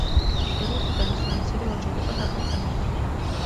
რუსუდანი სულ მცირე ორჯერ იყო დაქორწინებული.